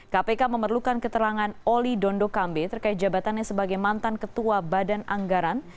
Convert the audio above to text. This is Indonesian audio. kpk memerlukan keterangan oli dondo kambe terkait jabatannya sebagai mantan ketua badan anggaran